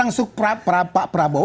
jangan sekarang pak prabowo